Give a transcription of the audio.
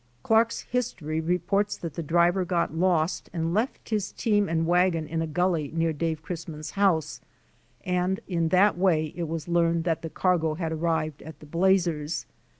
Clark's History reports that the driver got lost and left his team and wagon in a gully near Dave Chrisman's house, and in that way it was learned that the cargo had arrived at the Blazers.